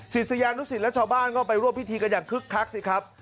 ศิษยานุสิตและชาวบ้านก็ไปร่วมพิธีกันอย่างคึกคักสิครับ